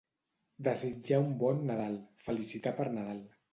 Desitjar un bon Nadal, felicitar per Nadal.